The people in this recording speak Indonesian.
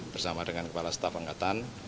bersama dengan kepala staf angkatan